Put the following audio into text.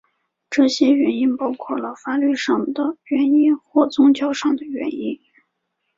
这些原因包括了法律上的原因或宗教上的原因。